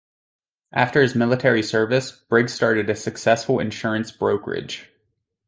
After his military service, Briggs started a successful insurance brokerage.